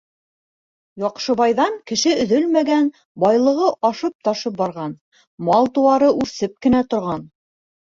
Яҡшыбайҙан кеше өҙөлмәгән, байлығы ашып-ташып барған, мал-тыуары үрсеп кенә торған.